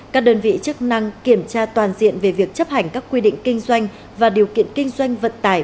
các đơn vị chức năng kiểm tra toàn diện về việc chấp hành các quy định kinh doanh và điều kiện kinh doanh vận tải